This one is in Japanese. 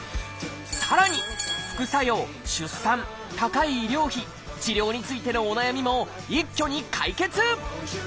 さらに「副作用」「出産」「高い医療費」治療についてのお悩みも一挙に解決！